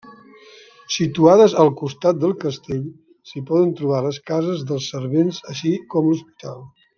Situades al costat del castell, s'hi poden trobar les cases dels servents així com l'hospital.